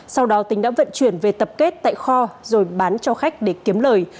sau đó tính đã vận chuyển về tập kết tại kho rồi bán cho khách để kiếm lời